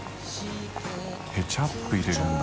ケチャップ入れるんだ。